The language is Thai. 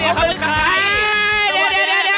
ไปพบกับเขาเลย